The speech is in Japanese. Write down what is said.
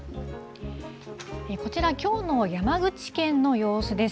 こちら、きょうの山口県の様子です。